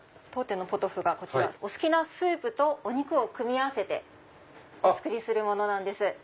当店のポトフがお好きなスープとお肉を組み合わせてお作りするものなんです。